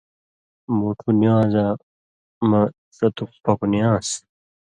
مُوٹُھو نِوان٘زاں مہ ݜتُک پکوۡ نی آن٘س